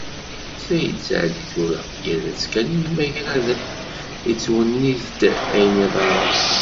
Ssaɛid Seɛdi tura yerra-tt kan i imagraden, yettwennit-d ayen iḍerrun.